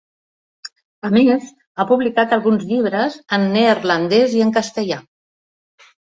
A més, ha publicat alguns llibres en neerlandès i en castellà.